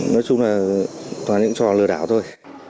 nói chung là toàn những trò lừa đảo thôi